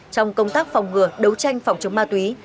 trong công tác phòng ngừa đấu tranh phòng chống ma túy